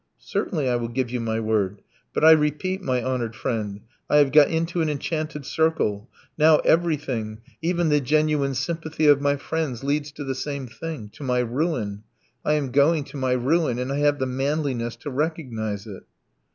"Certainly I will give you my word. But I repeat, my honoured friend, I have got into an enchanted circle. Now everything, even the genuine sympathy of my friends, leads to the same thing to my ruin. I am going to my ruin, and I have the manliness to recognize it."